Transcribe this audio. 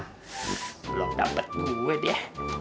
belum dapat duit ya